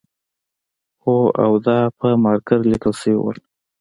هو او دا په مارکر لیکل شوی و